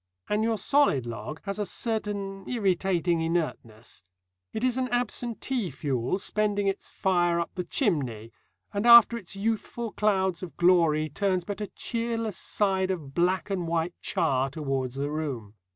And your solid log has a certain irritating inertness. It is an absentee fuel, spending its fire up the chimney, and after its youthful clouds of glory turns but a cheerless side of black and white char towards the room.